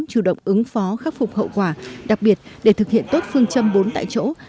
chủ động ứng phó khắc phục hậu quả đặc biệt để thực hiện tốt phương châm bốn tại chỗ